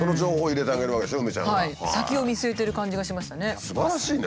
先を見据えてる感じがしましたね。